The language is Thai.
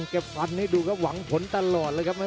โปรดติดตามต่อไป